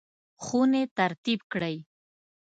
خونې ترتیب کړئ